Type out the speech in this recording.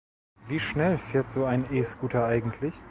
Wie schnell fährt so ein E-Scooter eigentlich?